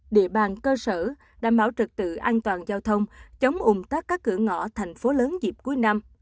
địa bàn cơ sở đảm bảo trực tự an toàn giao thông chống ủng tắc các cửa ngõ thành phố lớn dịp cuối năm